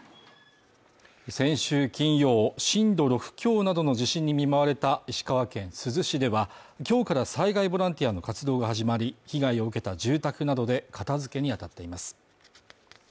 先週金曜、震度６強などの地震に見舞われた石川県珠洲市では今日から災害ボランティアの活動が始まり、被害を受けた住宅などで片づけに当たっています。